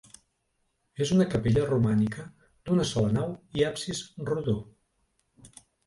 És una capella romànica d'una sola nau i absis rodó.